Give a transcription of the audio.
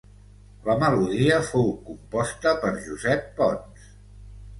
La melodia fou composta per Josep Pons.